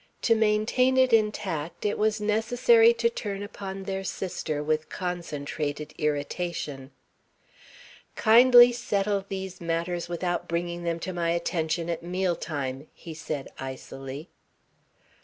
To maintain it intact, it was necessary to turn upon their sister with concentrated irritation. "Kindly settle these matters without bringing them to my attention at meal time," he said icily.